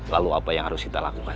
lalu apa yang harus kita lakukan